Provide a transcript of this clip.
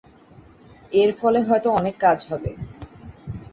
এর ফলে হয়তো অনেক কাজ হবে।